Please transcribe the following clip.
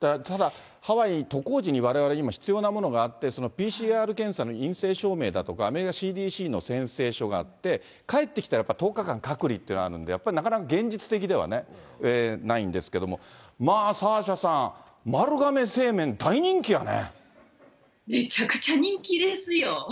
ただハワイ渡航時に、われわれ今、必要なものがあって、ＰＣＲ検査の陰性証明だとか、アメリカＣＤＣの宣誓書があって、帰ってきたらやっぱり１０日間隔離というのがあるんで、やっぱりなかなか現実的ではないんですけれども、まあサーシャさん、丸亀製麺、めちゃくちゃ人気ですよ。